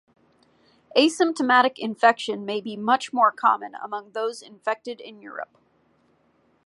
Asymptomatic infection may be much more common among those infected in Europe.